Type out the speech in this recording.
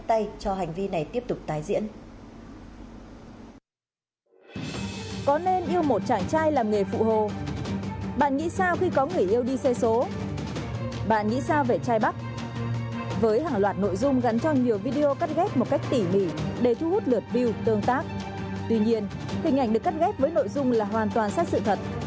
tuy nhiên hình ảnh được cắt ghép với nội dung là hoàn toàn sai sự thật